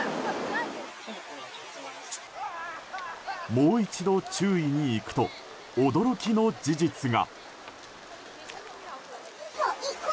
もう一度、注意に行くと驚きの事実が。